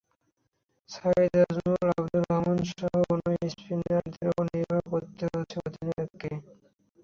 সাঈদ আজমল, আবদুর রেহমানসহ অন্য স্পিনারদের ওপরই নির্ভর করতে হচ্ছে অধিনায়ককে।